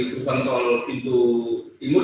gerbang tol pintu timur